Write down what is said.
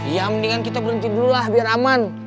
ya mendingan kita berhenti dulu lah biar aman